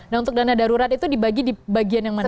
nah untuk dana darurat itu dibagi di bagian yang mana